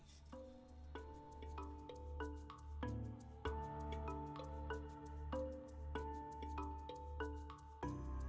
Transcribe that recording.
sembahulun bumbu yang dititipkan kepada pemangku adat